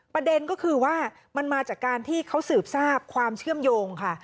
ประเด็นก็คือว่ามันมาจากการที่เขาสืบทราบความเชื่อมโยงค่ะ